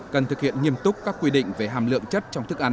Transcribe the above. cần thực hiện nghiêm túc các quy định về hàm lượng chất trong thức ăn